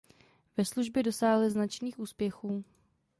Ve službě dosáhly značných úspěchů.